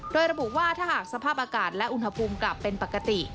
โดยระบุว่าถ้าหากสภาพอากาศและอุณหภูมิกลับเป็นปกติ